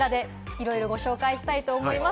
いろいろご紹介したいと思います。